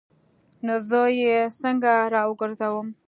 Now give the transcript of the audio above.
نو زه یې څنګه راوګرځوم؟